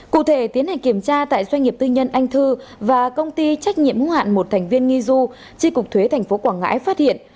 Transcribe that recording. cụ thể tiến hành kiểm tra tại doanh nghiệp tư nhân anh thư và công ty trách nhiệm hữu hạn một thành viên nghi du chi cục thuế tp quảng ngãi phát hiện